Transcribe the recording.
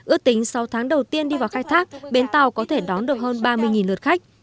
ước tính sau tháng đầu tiên đi vào khai thác bến tàu có thể đón được hơn ba mươi lượt khách